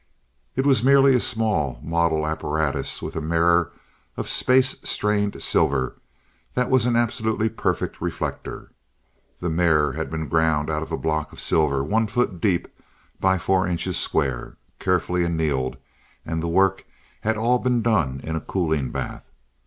It was merely a small, model apparatus, with a mirror of space strained silver that was an absolutely perfect reflector. The mirror had been ground out of a block of silver one foot deep, by four inches square, carefully annealed, and the work had all been done in a cooling bath.